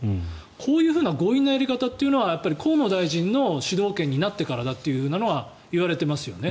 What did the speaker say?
こういう強引なやり方というのは河野大臣の主導権になってからだといわれていますよね。